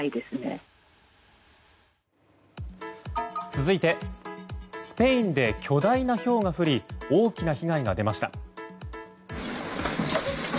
続いて、スペインで巨大なひょうが降り大きな被害が出ました。